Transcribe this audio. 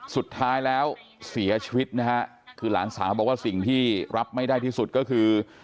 สุดท้ายแล้วเสียชีวิตนะฮะคือหลานสาวบอกว่าสิ่งที่รับไม่ได้ที่สุดก็คือ